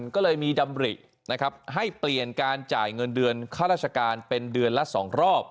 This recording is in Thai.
ก็เลยมีดำรินะครับให้เปลี่ยนการจ่ายเงินเดือนค่าราชการเป็นเดือนละ๒รอบ